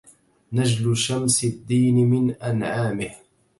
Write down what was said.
نجل شمس الدين من أنعامه